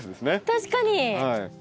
確かに。